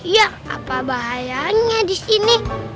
ya apa bahayanya di sini